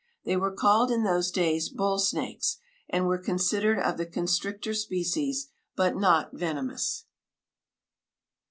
They were called in those days bull snakes, and were considered of the constrictor species, but not venomous.